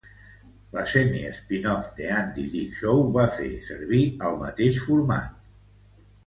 La semi 'spin-off' 'The Andy Dick Show' va fer servir el mateix format.